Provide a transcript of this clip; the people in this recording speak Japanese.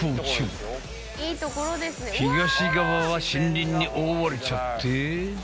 東側は森林に覆われちゃって。